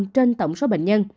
trên tổng số bệnh nhân